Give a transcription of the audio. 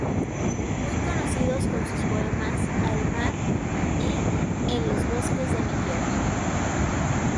Muy conocidos son sus poemas "Al Mar" y "En los bosques de mi tierra".